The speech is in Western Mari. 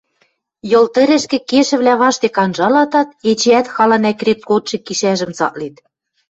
Йыл тӹрӹшкӹ кешӹвлӓ паштек анжалатат, эчеӓт халан ӓкрет годшы кишӓжӹм цаклет: